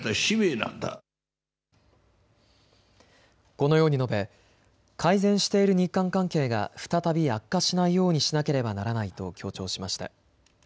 このように述べ改善している日韓関係が再び悪化しないようにしなければならないと強調しました。